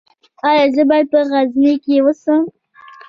ایا زه باید په غزني کې اوسم؟